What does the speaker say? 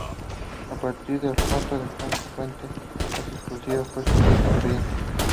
A partir de Alfonso el Franco su fuente casi exclusiva fue su propia experiencia.